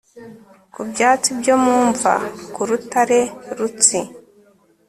ku byatsi byo mu mva, ku rutare rusti